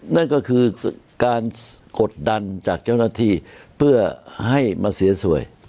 นั่นก็คือการกดดันจากเจ้าหน้าที่เพื่อให้มาเสียสวย